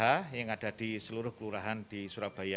penamping pkh yang ada di seluruh kelurahan di surabaya